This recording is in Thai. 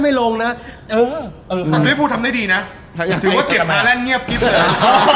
ภูทัยพูดทำได้ดีนะถือว่าเก็บมาแลนด์เงียบกิ๊บเลย